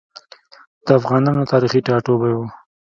د افغانانو تاریخي ټاټوبی و.